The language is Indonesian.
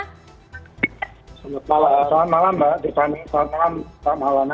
selamat malam mbak di sana selamat malam pak maulana